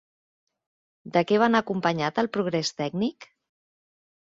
De què va anar acompanyat el progrés tècnic?